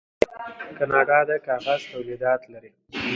کاناډا د کاغذ تولیدات لري.